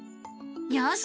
よし！